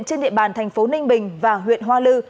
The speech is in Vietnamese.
trên địa bàn thành phố ninh bình và huyện hoa lư